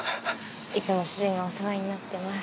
いつも主人がお世話になってます。